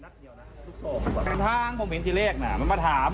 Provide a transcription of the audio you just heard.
แต่ว่าดีนักเดียวนะทุกทรงผมเห็นทีเลขน่ะมันมาถาม